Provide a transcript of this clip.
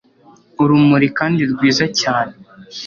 urumuri kandi rwiza cyane